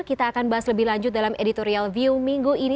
kita akan bahas lebih lanjut dalam editorial view minggu ini